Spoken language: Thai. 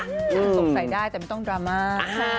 สงสัยได้แต่ไม่ต้องดราม่า